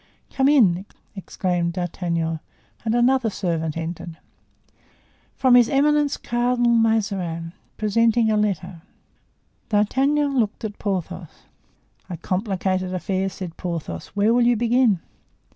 "Come in," exclaimed D'Artagnan; and another servant entered. "From His Eminence, Cardinal Mazarin," presenting a letter. D'Artagnan looked at Porthos. "A complicated affair," said Porthos; "where will you begin?"